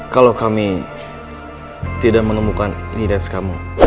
kalau kami tidak menemukan identitas kamu